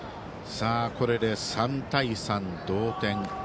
これで３対３、同点。